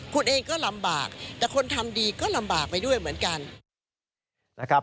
คุณเองก็ลำบากแต่คนทำดีก็ลำบากไปด้วยเหมือนกันนะครับ